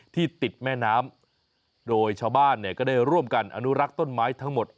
ที่ติดแม่น้ำโดยชาวบ้านเนี่ยก็ได้ร่วมกันอนุรักษ์ต้นไม้ทั้งหมด